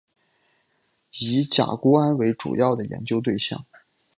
以甲钴胺为主要的研究对象。